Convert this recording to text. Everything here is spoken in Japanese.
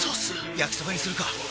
焼きそばにするか！